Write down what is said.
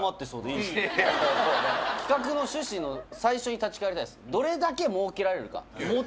企画の趣旨の最初に立ち返りたいです。